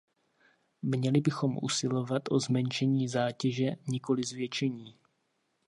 Měli bychom usilovat o zmenšení zátěže, nikoli zvětšení.